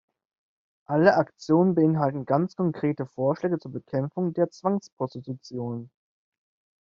Alle Aktionen beinhalten ganz konkrete Vorschläge zur Bekämpfung der Zwangsprostitution.